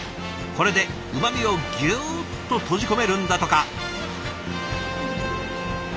これでうまみをぎゅっと閉じ込めるんだとか。